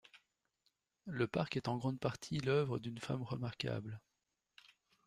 Le parc est en grande partie l’œuvre d'une femme remarquable.